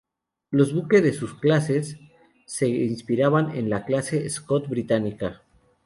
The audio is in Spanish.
Los buques de su clases, se inspiraban en la Clase Scott británica.